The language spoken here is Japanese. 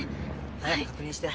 早く確認して。